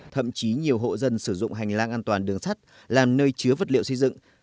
thậm chí nhiều hộ dân sử dụng hành lang an toàn đường sắt làm nơi chứa vật liệu xây dựng